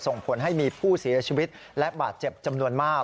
ส่งผลให้มีผู้เสียชีวิตและบาดเจ็บจำนวนมาก